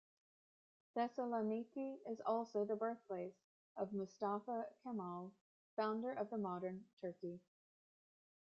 Thessaloniki is also the birthplace of Mustafa Kemal, founder of the modern Turkey.